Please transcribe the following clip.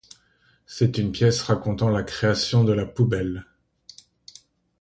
C' est une pièce racontant la création de la poubelle.